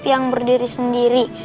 yang berdiri sendiri